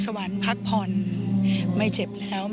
พี่ว่าความมีสปีริตของพี่แหวนเป็นตัวอย่างที่พี่จะนึกถึงเขาเสมอ